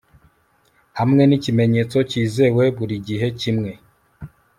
Hamwe nikimenyetso cyizewe burigihe kimwe